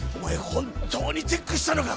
本当にチェックしたのか？